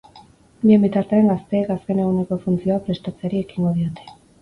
Bien bitartean, gazteek azken eguneko funtzioa prestatzeari ekingo diote.